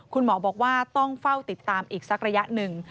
คุณหมอบอกว่าต้องเฝ้าติดตามอีกสักระยะหนึ่ง